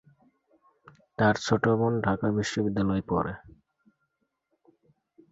তার ছোট বোন ঢাকা বিশ্ববিদ্যালয়ে পড়ে।